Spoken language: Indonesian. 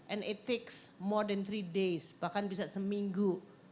and it takes more than three days bahkan bisa seminggu